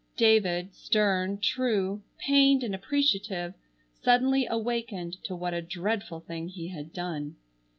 David, stern, true, pained and appreciative, suddenly awakened to what a dreadful thing he had done.